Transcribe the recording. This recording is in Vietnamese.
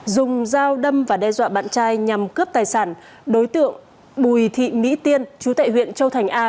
dùng dao đâm và đe dọa bạn trai nhằm cướp tài sản đối tượng bùi thị mỹ tiên chú tại huyện châu thành a